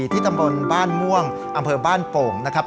ที่ตำบลบ้านม่วงอำเภอบ้านโป่งนะครับ